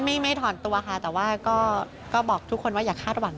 ไม่ถอนตัวค่ะแต่ว่าก็บอกทุกคนว่าอย่าคาดหวัง